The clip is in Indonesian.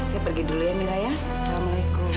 saya pergi dulu ya mila ya assalamualaikum